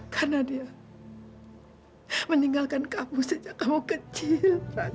karena dia meninggalkan kamu sejak kamu kecil raka